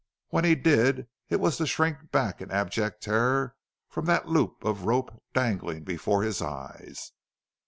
When he did it was to shrink back in abject terror from that loop of rope dangling before his eyes.